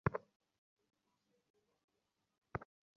যেদিন আপিসে যেতে পারে না, নিজের বরাদ্দ থেকে সেদিনকার টাকা কাটা পড়ে।